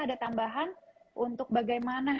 ada tambahan untuk bagaimana